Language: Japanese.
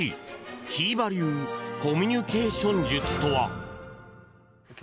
ひーば流コミュニケーション術とは？